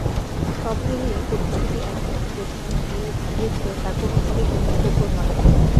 সব মিলিয়ে পরিস্থিতি এখন যেখানে গিয়ে দাঁড়িয়েছে, তা কোনোভাবেই গ্রহণযোগ্য নয়।